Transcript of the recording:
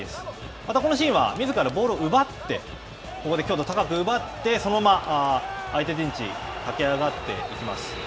またこのシーンは、みずからボールを奪って、ここで強度高く奪って、そのまま相手陣地、駆け上がっていきます。